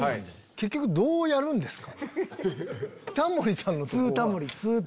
結局どうやるんですか？